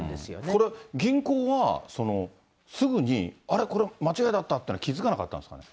これ銀行はすぐに、あれ、これ間違いだったというのは気付かなかったんですかね。